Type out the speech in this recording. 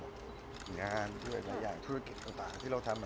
ห่วงงานเพราะเก่งเก็บสำหรับบาดเรา